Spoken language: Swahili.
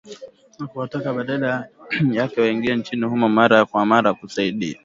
Na kuwataka badala yake waingie nchini humo mara kwa mara kusaidia.